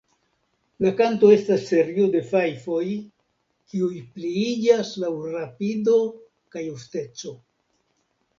La kanto estas serio de fajfoj kiuj pliiĝas laŭ rapido kaj ofteco.